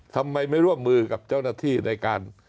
ทำไมไม่ร่วมมือกับเจ้าหน้าที่ในการ